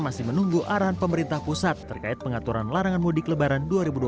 masih menunggu arahan pemerintah pusat terkait pengaturan larangan mudik lebaran dua ribu dua puluh